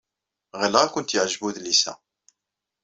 Ɣileɣ ad kent-yeɛjeb udlis-a.